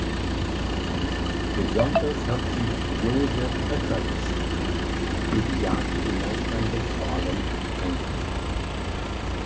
Besonders hat sich Josef Effertz für die Jagd in Nordrhein-Westfalen eingesetzt.